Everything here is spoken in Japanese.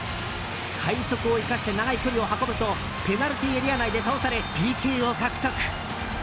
快足を生かして長い距離を運ぶとペナルティーエリア内で倒されＰＫを獲得。